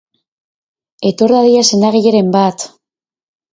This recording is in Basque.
Etor dadila sendagileren bat!